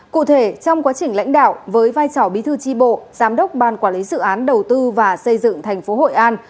cụ thể trong quá trình lãnh đạo với vai trò bí thư tri bộ giám đốc ban quản lý dự án đầu tư và xây dựng tp hội an